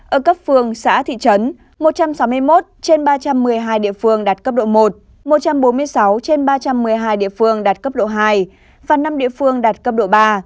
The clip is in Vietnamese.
ở cấp phường xã thị trấn một trăm sáu mươi một trên ba trăm một mươi hai địa phương đạt cấp độ một một trăm bốn mươi sáu trên ba trăm một mươi hai địa phương đạt cấp độ hai và năm địa phương đạt cấp độ ba